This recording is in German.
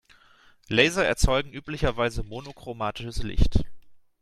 Laser erzeugen üblicherweise monochromatisches Licht.